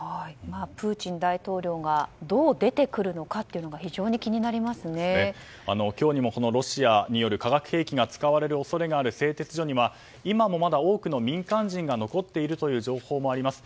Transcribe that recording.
プーチン大統領がどう出てくるのか今日にもこのロシアによる化学兵器が使われる恐れがある製鉄所には今もまだ多くの民間人が残っている情報もあります。